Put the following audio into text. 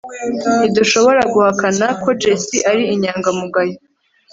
Ntidushobora guhakana ko Jessie ari inyangamugayo